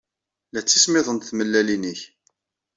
La ttismiḍent tmellalin-nnek.